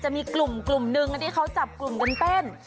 จะมีกลุ่มหนึ่งที่เขาจับกลุ่มกันเต้น